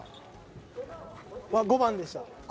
５番でした。